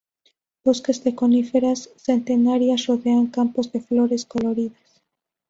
Bosques de coníferas centenarias rodean campos de flores coloridas.